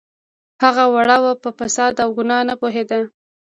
هغه وړه وه په فساد او ګناه نه پوهیده